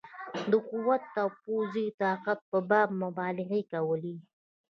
د قوت او پوځي طاقت په باب مبالغې کولې.